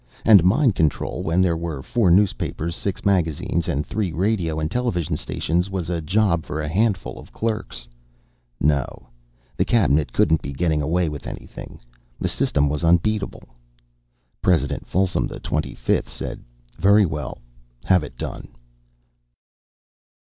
And mind control when there were four newspapers, six magazines and three radio and television stations was a job for a handful of clerks. No; the Cabinet couldn't be getting away with anything. The system was unbeatable. President Folsom XXV said: "Very well. Have it done."